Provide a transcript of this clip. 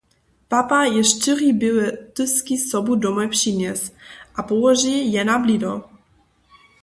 Papa je štyri běłe tyzki sobu domoj přinjesł a połoži je na blido.